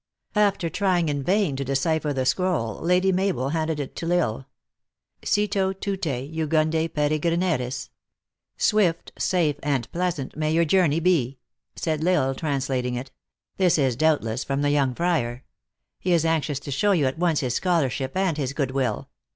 After trying in vain to decipher the scroll, Lady Mabel handed it to L Isle. " Cito, tute, jucunde pere grineris" "Swift, safe and pleasant may your jour ney be," said L Isle, translating it. "This is, doubt less, from the young friar. He is anxious to show you at once his scholarship and his good will.